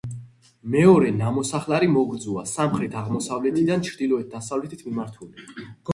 მეორე ნამოსახლარი მოგრძოა, სამხრეთ-აღმოსავლეთიდან ჩრდილოეთ-დასავლეთით მიმართული.